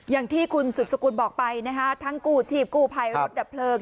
อย่างที่คุณสืบสกุลบอกไปนะฮะทั้งกู้ชีพกู้ภัยรถดับเพลิง